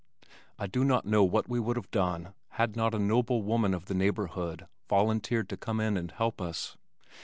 I do not know what we would have done had not a noble woman of the neighborhood volunteered to come in and help us.